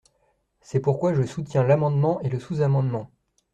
C’est pourquoi je soutiens l’amendement et le sous-amendement.